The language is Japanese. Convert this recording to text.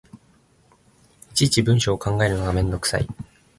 いちいち文章を考えるのがめんどくさい